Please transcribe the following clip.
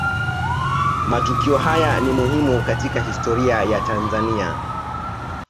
Matukio haya ni muhimu katika historia ya Tanzania